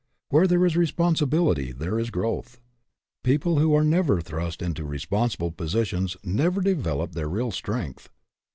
Where there is responsibility there is growth. People who are never thrust into responsible positions never develop their real strength.